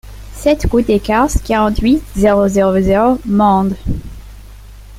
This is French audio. sept rue des Carces, quarante-huit, zéro zéro zéro, Mende